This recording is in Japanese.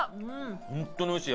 ホントに美味しい。